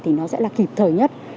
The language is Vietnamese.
thì nó sẽ là kịp thời nhất